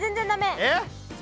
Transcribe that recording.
えっ？